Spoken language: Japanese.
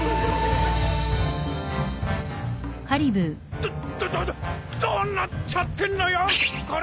どどどどうなっちゃってんのよこれ。